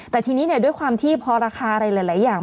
แต่ทีนี้ด้วยความที่พอราคาอะไรหลายอย่าง